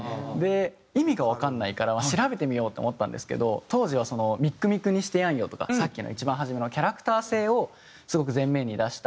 意味がわからないから調べてみようと思ったんですけど当時はその『みくみくにしてやんよ』とかさっきの一番初めのキャラクター性をすごく前面に出した。